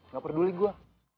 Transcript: gak peduli gue